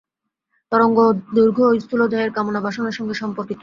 তরঙ্গ-দৈর্ঘ্য, স্থুল দেহের কামনা-বাসনার সঙ্গে সম্পর্কিত।